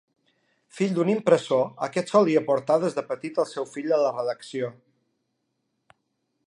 Fill d'un impressor, aquest solia portar des de petit al seu fill a la redacció.